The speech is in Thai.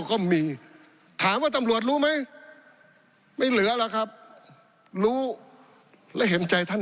ก็มีถามว่าตำรวจรู้ไหมไม่เหลือหรอกครับรู้และเห็นใจท่าน